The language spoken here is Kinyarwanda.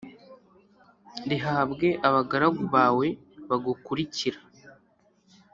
rihabwe abagaragu bawe bagukurikira.